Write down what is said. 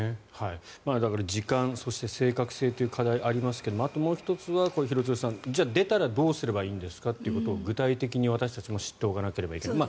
だから時間、そして正確性という課題がありますけどあともう１つは、廣津留さんじゃあ出たらどうすればいいんですかっていうことを具体的に私たちも知っておかないといけない。